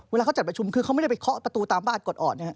เวลาเขาจัดประชุมคือเขาไม่ได้ไปเคาะประตูตามบ้านก่อนนะครับ